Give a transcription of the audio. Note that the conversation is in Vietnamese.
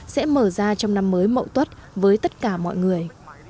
sẽ mở ra trong năm mới mậu tuất với tất cả mọi người